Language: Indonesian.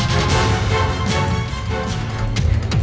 jangan lagi membuat onar di sini